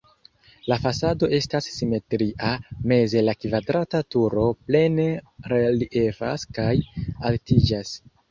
La fasado estas simetria, meze la kvadrata turo plene reliefas kaj altiĝas.